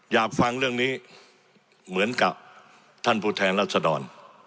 อยากฟังเรื่องนี้เหมือนกับท่านผู้แทนรัศดร